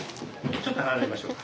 ちょっと離れましょうか。